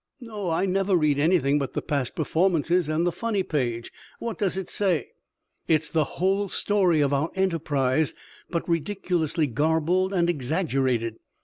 "No; I never read anything but the 'Past Performances' and the funny page. What does it say?" "It is the whole story of our enterprise, but ridiculously garbled and exaggerated.